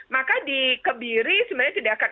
maka dikebiri sebenarnya tidak akan